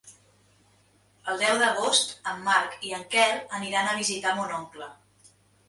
El deu d'agost en Marc i en Quel aniran a visitar mon oncle.